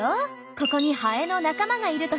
ここにハエの仲間がいるとするわね。